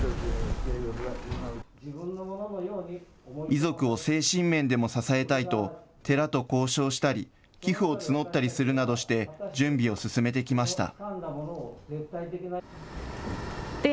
遺族を精神面でも支えたいと、寺と交渉したり、寄付を募ったりするなどして、準備を進めてきました。